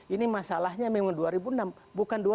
ini masalahnya memang dua ribu enam